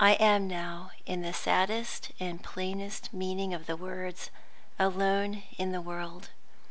I am now, in the saddest and plainest meaning of the words, alone in the world.